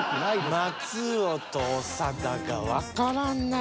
松尾と長田がわからんな。